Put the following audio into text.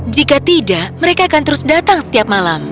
jika tidak mereka akan terus datang setiap malam